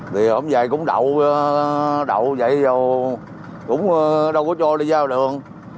thì hôm nay cũng đậu vậy rồi cũng đâu có cho đi giao đường